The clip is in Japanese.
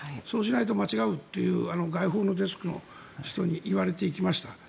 そうしないと間違うという外報のデスクの人に言われていきました。